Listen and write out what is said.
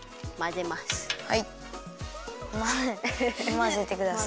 まぜてください。